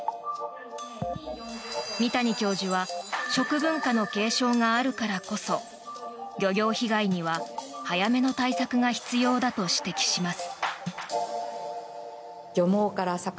三谷教授は食文化の継承があるからこそ漁業被害には早めの対策が必要だと指摘します。